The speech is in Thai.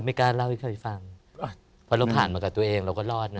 มากับตัวเองเราก็รอดนะ